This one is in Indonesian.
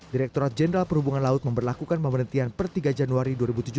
direktorat jenderal perhubungan laut memberlakukan pemerintian per tiga januari dua ribu tujuh belas